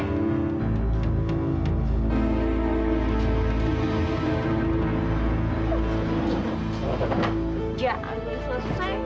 kerjaan sudah selesai